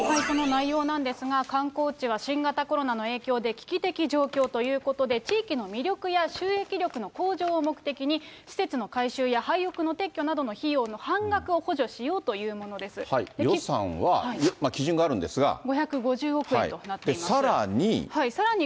この内容なんですが、観光地は新型コロナの影響で危機的状況ということで、地域の魅力や収益力の向上を目的に、施設の改修や廃屋の撤去などの費用の半額を補助しようというもの予算は、基準があるんですが。